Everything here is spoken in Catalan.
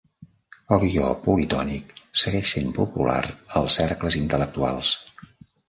El guió politònic segueix sent popular als cercles intel·lectuals.